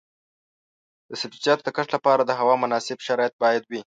د سبزیجاتو د کښت لپاره د هوا مناسب شرایط باید وي.